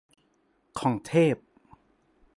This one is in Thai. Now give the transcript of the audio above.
ของเทพ